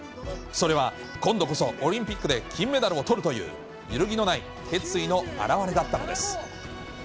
それは、今度こそオリンピックで金メダルをとるという揺るぎのない決意の表れだったのです。